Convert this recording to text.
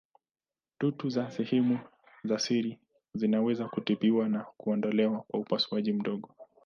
Dutu za sehemu za siri zinaweza kutibiwa na kuondolewa kwa upasuaji mdogo.